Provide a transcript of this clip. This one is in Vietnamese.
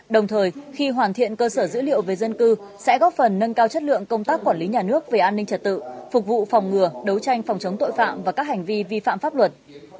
đồng thời khi hoàn thiện cơ sở dữ liệu về dân cư sẽ góp phần nâng cao chất lượng công tác quản lý nhà nước về an ninh trật tự phục vụ phòng ngừa đấu tranh phòng chống tội phạm và các hành vi vi phạm pháp luật